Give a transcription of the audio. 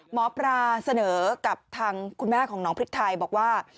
หมอปลาเสนอกับทางคุณแม่ของน้องพริกไทยบอกว่า